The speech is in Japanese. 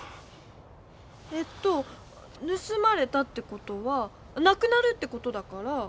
えっとぬすまれたってことはなくなるってことだから。